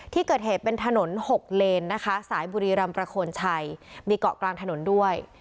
ที่เกิดเหตุเป็นถนนหกเลนนะคะสายบุรีรำประโคนชัยมีเกาะกลางถนนด้วย